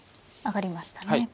上がりましたね。